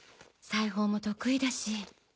裁縫も得意だし。